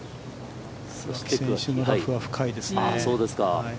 そしてラフは深いですね。